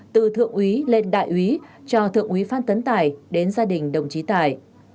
từ thượng úy lên đại úy cho thượng úy phan tấn tài đến gia đình đồng chí tài